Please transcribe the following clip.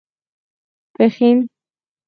پښين